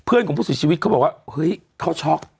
เพื่อนของผู้หญิงชีวิตมันบอกว่าเฮ้ยเขาช็อก